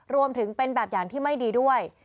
รวมถึงเป็นแบบอย่างที่ไม่ดีด้วย